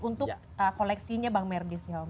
untuk koleksinya bang merdi sihobi